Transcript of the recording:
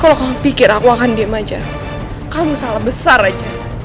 kalau kamu pikir aku akan diem aja kamu salah besar aja